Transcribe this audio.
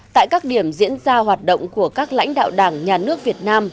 tại các điểm diễn ra hoạt động của các lãnh đạo đảng nhà nước việt nam